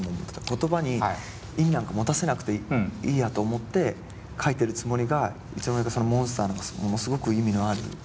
言葉に意味なんか持たせなくていいやと思って書いてるつもりがいつのまにかその「Ｍｏｎｓｔｅｒ」ものすごく意味のある。